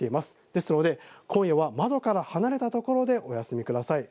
ですので、今夜は窓から離れた所でお休みください。